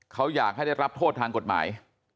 เขาอยากให้ได้รับโทษทางกฎหมาย